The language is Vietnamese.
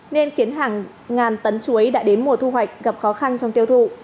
nên kiến hàng ngàn tấn chuối đã đến mùa thu hoạch gặp khó khăn trong tiêu thụ